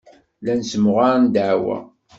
Llan ssemɣaren ddeɛwa.